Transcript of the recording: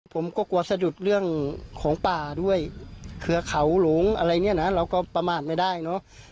ผมก็กลัวสะดุดเรื่องของป่าด้วยเครือเขาหลงอะไรเนี่ยนะเราก็ประมาทไม่ได้เนอะ